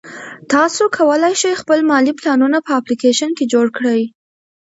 تاسو کولای شئ خپل مالي پلانونه په اپلیکیشن کې جوړ کړئ.